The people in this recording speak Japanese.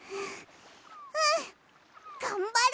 うんがんばる！